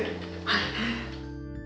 はい！